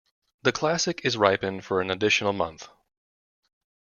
The 'Classic' is ripened for an additional month.